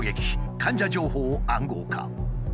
患者情報を暗号化。